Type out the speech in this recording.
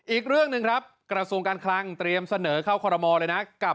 อีกเรื่องหนึ่งครับกระทรวงการคลังเตรียมเสนอเข้าคอรมอลเลยนะกับ